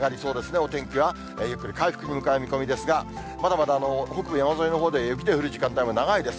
お天気はゆっくり回復に向かう見込みですが、まだまだ北部山沿いのほうでは雪の降る時間帯も長いです。